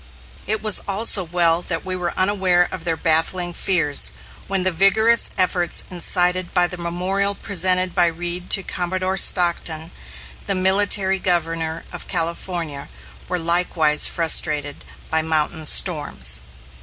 It was also well that we were unaware of their baffling fears, when the vigorous efforts incited by the memorial presented by Reed to Commodore Stockton, the military Governor of California, were likewise frustrated by mountain storms.